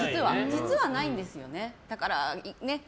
実はないんですよね。